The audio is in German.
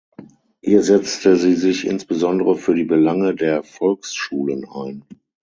Hier setzte sie sich insbesondere für die Belange der Volksschulen ein.